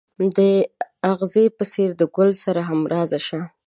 د اغزي په څېر د ګل سره همراز شه.